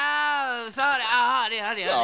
それあれあれあれあれ。